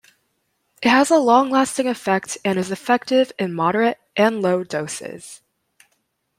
It has a long-lasting effect and is effective in moderate and low doses.